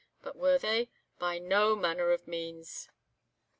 But were they? By no manner of means.